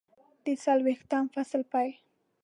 د څلویښتم فصل پیل